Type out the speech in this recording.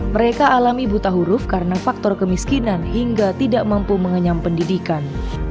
mereka alami buta huruf karena faktor kemiskinan hingga tidak mampu mengenyam pendidikan